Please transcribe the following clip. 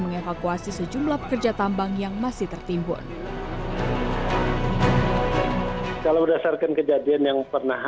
mengevakuasi sejumlah pekerja tambang yang masih tertimbun kalau berdasarkan kejadian yang pernah